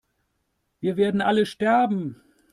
Wir werden alle sterben!